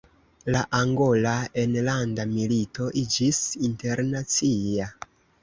La Angola Enlanda Milito iĝis internacia.